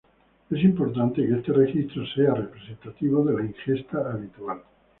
Es importante que este registro sea representativo de la ingesta habitual.